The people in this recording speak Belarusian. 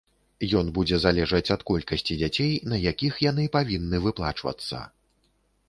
Ён будзе залежаць ад колькасці дзяцей, на якіх яны павінны выплачвацца.